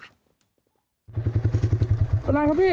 อะไรครับพี่